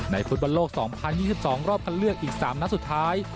ฟุตบอลโลก๒๐๒๒รอบคันเลือกอีก๓นัดสุดท้าย